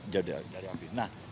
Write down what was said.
jauh dari api